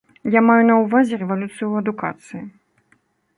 Я маю на ўвазе рэвалюцыю ў адукацыі.